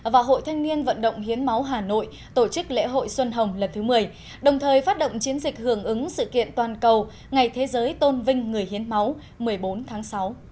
và hội thanh niên vận động hiến máu hà nội tổ chức lễ hội xuân hồng lần thứ một mươi đồng thời phát động chiến dịch hưởng ứng sự kiện toàn cầu ngày thế giới tôn vinh người hiến máu một mươi bốn tháng sáu